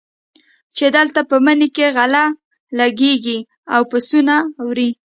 چې دلته په مني کې غله لګېږي او پسونه وړي.